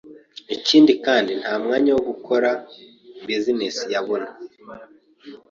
Ikindi kandi nta mwanya wo gukora bizinesi yabona,